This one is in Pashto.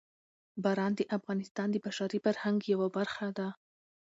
باران د افغانستان د بشري فرهنګ یوه برخه ده.